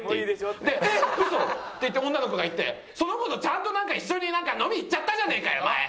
で「えっ嘘！」って言って女の子が行ってその子とちゃんとなんか一緒に飲み行っちゃったじゃねえかよ前！